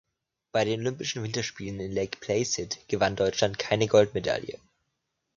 Bei den Olympischen Winterspielen in Lake Placid gewann Deutschland keine Goldmedaille.